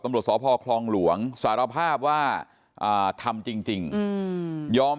ตำรวจสพคลองหลวงสารภาพว่าทำจริงยอม